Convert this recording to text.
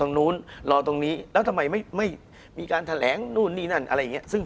คุณผู้ชมบางท่าอาจจะไม่เข้าใจที่พิเตียร์สาร